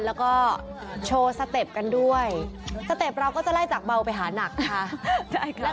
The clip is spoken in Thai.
แล้วก็โชว์สเต็ปกันด้วยสเต็ปเราก็จะไล่จากเบาไปหานักค่ะ